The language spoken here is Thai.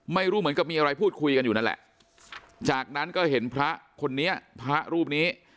ไม่รู้เหมือนกับมีอะไรพูดคุยกันอยู่นั่นแหละจากนั้นก็เห็นพระคนนี้พระรูปนี้